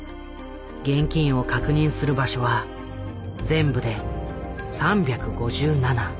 現金を確認する場所は全部で３５７。